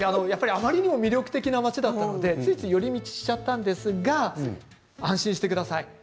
あまりにも魅力的な町なんでついつい寄り道をしてしまったんですが安心してください。